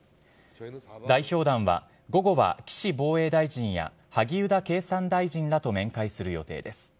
代表団は、午後は岸防衛大臣や萩生田経産大臣らと面会する予定です。